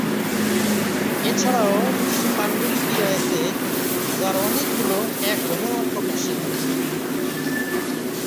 এছাড়াও কিছু পান্ডুলিপি রয়েছে, যার অনেক গুলো এখনও অপ্রকাশিত।